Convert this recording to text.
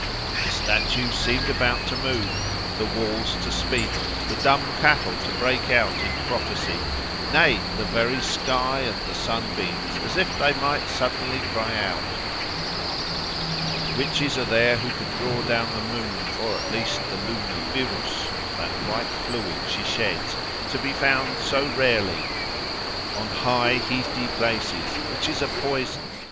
The statues seemed about to move, the walls to speak, the dumb cattle to break out in prophecy; nay! the very sky and the sunbeams, as if they might suddenly cry out." Witches are there who can draw down the moon, or at least the lunar virus—that white fluid she sheds, to be found, so rarely, "on high, heathy places: which is a poison.